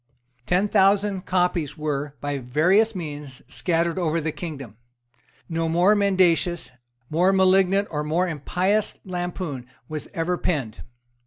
Ten thousand copies were, by various means, scattered over the kingdom. No more mendacious, more malignant or more impious lampoon was ever penned.